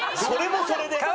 それもそれで。